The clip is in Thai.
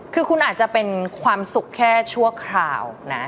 คือคุณอาจจะเป็นความสุขแค่ชั่วคราวนะ